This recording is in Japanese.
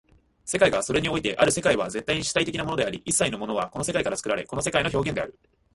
世界がそれにおいてある世界は絶対に主体的なものであり、一切のものはこの世界から作られ、この世界の表現である。